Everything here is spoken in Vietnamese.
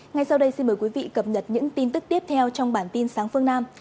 ngay sau đây xin mời quý vị cập nhật những tin tức tiếp theo trong bản tin sáng phương nam